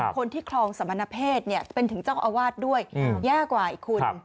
คลองสมณเพศเป็นถึงเจ้าอาวาสด้วยแย่กว่าอีกคุณ